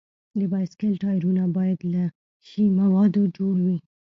د بایسکل ټایرونه باید له ښي موادو جوړ وي.